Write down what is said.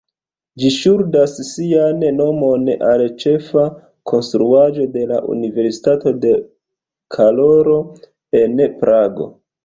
Ĝi ŝuldas sian nomon al ĉefa konstruaĵo de la Universitato de Karolo en Prago.